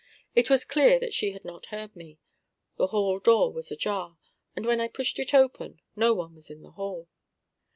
It was clear that she had not heard me. The hall door was ajar, and when I pushed it open, no one was in the hall.